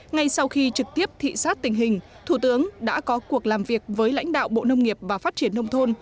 ngay sau khi trực tiếp thị xát tình hình thủ tướng đã có cuộc làm việc với lãnh đạo bộ nông nghiệp và phát triển nông thôn